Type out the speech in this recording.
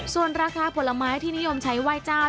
ส่วนราคาผลไม้ที่นิยมใช้ไหว้เจ้า